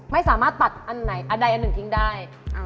ไม่สามารถตัดอันไหนอันใดอันหนึ่งทิ้งได้